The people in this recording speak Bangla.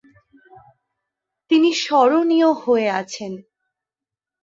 তিনি স্মরণীয় হয়ে আছেন।